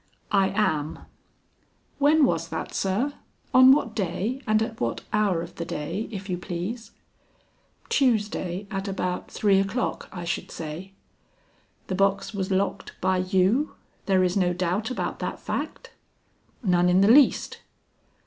"I am." "When was that, sir? On what day and at what hour of the day, if you please?" "Tuesday, at about three o'clock, I should say." "The box was locked by you? There is no doubt about that fact?" "None in the least."